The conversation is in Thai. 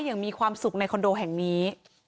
อย่างมีความสุขในคอนโดแห่งนี้